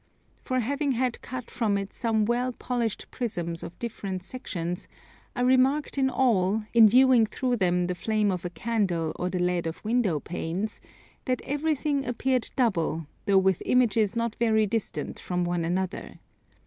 For having had cut from it some well polished Prisms of different sections, I remarked in all, in viewing through them the flame of a candle or the lead of window panes, that everything appeared double, though with images not very distant from one another.